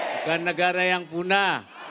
bukan negara yang apunah